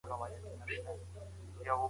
بدلون ومنئ.